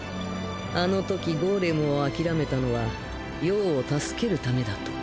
あのときゴーレムを諦めたのは葉を助けるためだと。